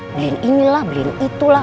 beliin inilah beliin itulah